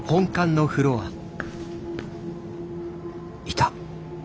いた。